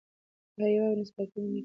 که حیا وي نو سپکاوی نه کیږي.